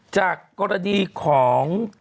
จากกรณีของ